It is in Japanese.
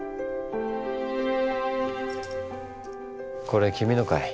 これ君のかい？